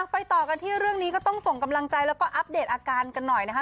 ไปต่อกันที่เรื่องนี้ก็ต้องส่งกำลังใจแล้วก็อัปเดตอาการกันหน่อยนะคะ